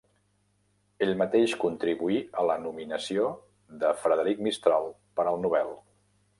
Ell mateix contribuí a la nominació de Frederic Mistral per al Nobel.